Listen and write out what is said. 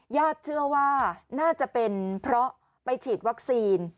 ญาติเชื่อว่าน่าจะเป็นเพราะไปฉีดวัคซีน